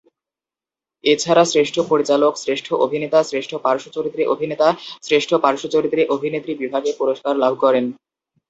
এছাড়া শ্রেষ্ঠ পরিচালক, শ্রেষ্ঠ অভিনেতা, শ্রেষ্ঠ পার্শ্বচরিত্রে অভিনেতা, শ্রেষ্ঠ পার্শ্বচরিত্রে অভিনেত্রী বিভাগে পুরস্কার লাভ করে।